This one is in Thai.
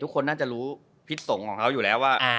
ทุกคนน่าจะรู้พิษสงฆ์ของเขาอยู่แล้วว่า